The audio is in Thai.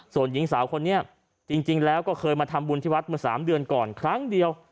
ส่วนหญิงสาวคนนี้จริงแล้วก็เคยมาทำบุญที่วัดเมื่อ๓เดือนก่อนครั้งเดียว